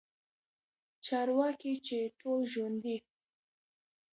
چارواکي چې ټول ژوندي